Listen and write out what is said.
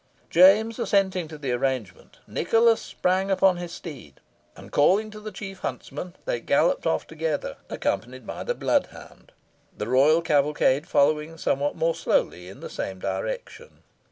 James, assenting to the arrangement, Nicholas sprang upon his steed, and, calling to the chief huntsman, they galloped off together, accompanied by the bloodhound, the royal cavalcade following somewhat more slowly in the same direction.